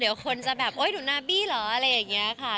เดี๋ยวคนจะแบบโอ๊ยหนูนาบี้เหรออะไรอย่างนี้ค่ะ